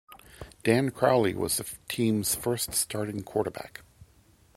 Dan Crowley was the team's first starting quarterback.